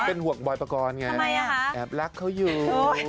เป็นห่วงบอยปกรณ์ไงแอบรักเขาอยู่